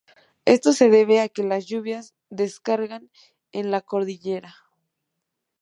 Esto se debe a que las lluvias descargan en la cordillera.